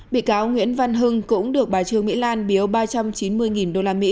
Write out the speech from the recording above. bị cáo nguyễn văn hưng cũng được bà trương mỹ lan biếu ba trăm chín mươi usd